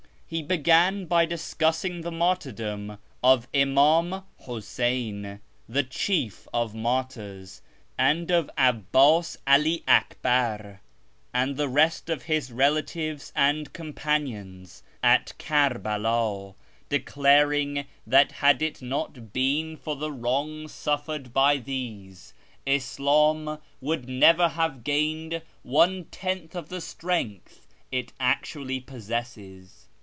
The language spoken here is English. He began by discussing the martyr dom of Imam Huseyn, " the Chief of Martyrs," and of 'Abbas, 1 'All Akbar, and the rest of his relatives and companions, at Kerbela, declaring that had it not been for the wrongs suffered! YEZD 403 by these, Islam would never have gained one tenth of the strength it actually possesses.